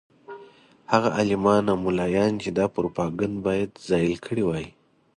هغه عالمان او ملایان چې دا پروپاګند باید زایل کړی وای.